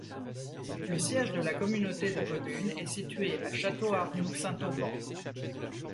Le siège de la communauté de communes est situé à Château-Arnoux-Saint-Auban.